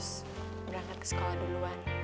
sebenarnya reva harus berangkat ke sekolah duluan